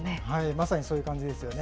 まさにそういう感じですよね。